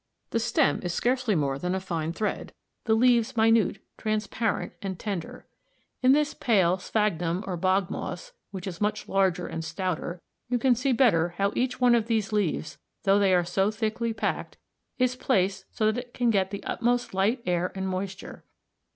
The stem is scarcely more than a fine thread, the leaves minute, transparent, and tender. In this pale sphagnum or bog moss (Fig. 36, p. 93), which is much larger and stouter, you can see better how each one of these leaves, though they are so thickly packed, is placed so that it can get the utmost light, air, and moisture.